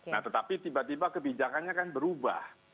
nah tetapi tiba tiba kebijakannya kan berubah